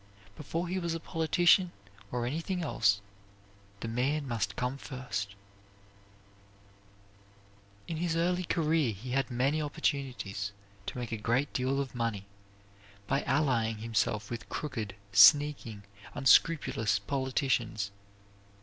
Before he was a politician or anything else the man must come first. [Illustration: Theodore Roosevelt] In his early career he had many opportunities to make a great deal of money by allying himself with crooked, sneaking, unscrupulous politicians.